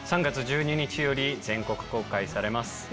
３月１２日より全国公開されます。